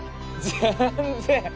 全然。